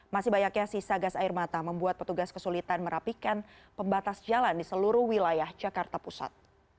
masih banyaknya sisa gas air mata membuat petugas kesulitan merapikan pembatas jalan di seluruh wilayah jakarta pusat